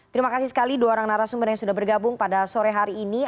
terima kasih sekali dua orang narasumber yang sudah bergabung pada sore hari ini